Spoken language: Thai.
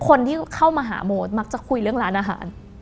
คนที่เข้ามาหาโมทมักจะคุยเรื่องร้านอาหาร